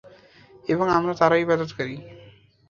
এবং আমরা তাঁরই ইবাদতকারী।